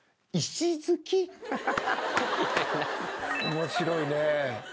面白いね。